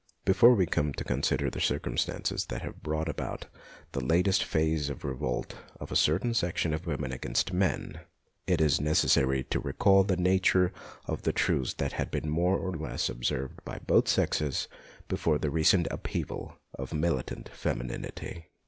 Before we come to consider the circum stances that have brought about the latest phase of the revolt of a certain section of women against men, it is necessary to recall the nature of the truce that had been more or less observed by both sexes before the recent upheaval of militant femininity.